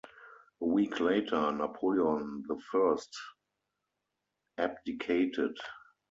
A week later, Napoleon the First abdicated.